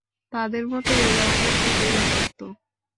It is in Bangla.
তাদের মত এরাও মূর্তি পূজা করত।